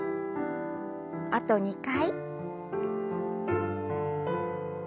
あと２回。